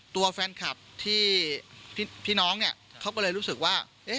ตัวแฟนคลับที่พี่น้องเนี่ยเขาก็เลยรู้สึกว่า